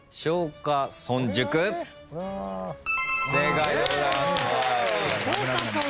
正解です。